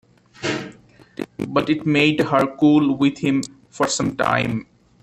But it made her cool with him for some time.